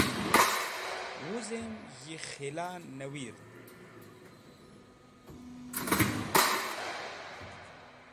Wuzem yi Khila Nawird.